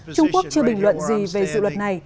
trung quốc chưa bình luận gì về dự luật này